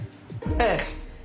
ええ。